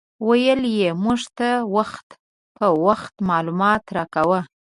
ویل یې موږ ته وخت په وخت معلومات راکاوه.